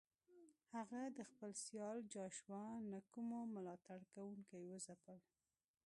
هغه د خپل سیال جاشوا نکومو ملاتړ کوونکي وځپل.